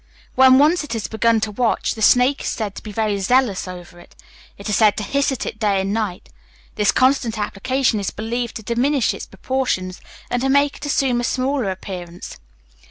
When once it has begun to watch, the snake is said to be very zealous over it. It is said to hiss at it day and night. This constant application is believed to diminish its proportions, and to make it assume a smaller appearance.